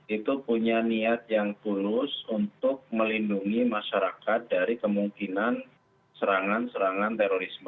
itu punya niat yang tulus untuk melindungi masyarakat dari kemungkinan serangan serangan terorisme